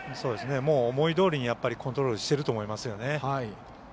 思いどおりにコントロールしてると思います。